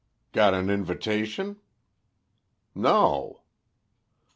"Got an invitation?" "No."